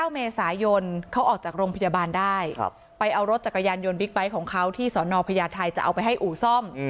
๙เมษายนเขาออกจากโรงพยาบาลได้ไปเอารถจักรยานยนต์บิ๊กไบท์ของเขาที่สนพญาไทยจะเอาไปให้อู่ซ่อม